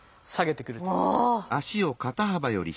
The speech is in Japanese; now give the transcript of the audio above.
ああ！